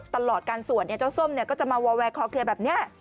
ตลอดการสวดเจ้าส้มก็จะมาวอลแวร์คลอเคลียร์แบบนี้